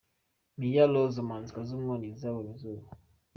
Mia Rose, umuhanzikazi w’umwongereza yabonye izuba.